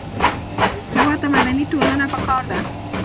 هېواد ته مدني ټولنه پکار ده